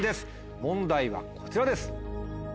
問題はこちらです。